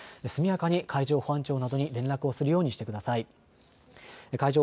速やかに海上保安庁などに連絡するようにしてください。